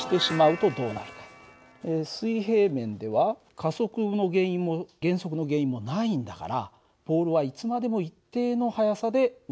水平面では加速の原因も減速の原因もないんだからボールはいつまでも一定の速さで運動をする。